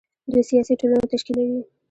دوی سیاسي ټولنه تشکیلوي.